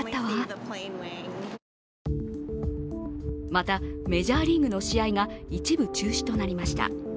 また、メジャーリーグの試合が一部中止となりました。